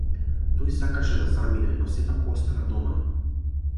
Тој сакаше да замине но сепак остана дома.